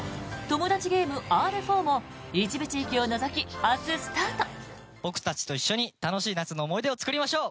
「トモダチゲームＲ４」も一部地域を除き、明日スタート。